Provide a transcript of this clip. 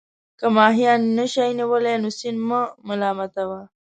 که ماهیان نه شئ نیولای نو سیند مه ملامتوه.